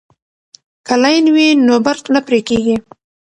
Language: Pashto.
که لین وي نو برق نه پرې کیږي.